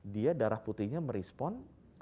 dia darah putihnya merespon